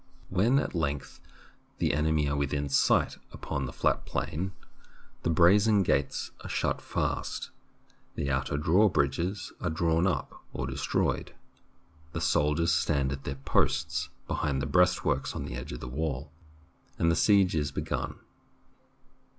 When at length the enemy are within sight upon the flat plain, the brazen gates are shut fast, the outer drawbridges are drawn up or destroyed, the soldiers stand at their posts behind the breast works on the edge of the wall, and the siege is begun.